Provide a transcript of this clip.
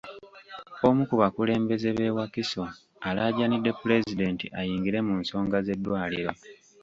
Omu ku bakulembeze b'e Wakiso alaajanidde Pulezidenti ayingire mu nsonga z'eddwaliro.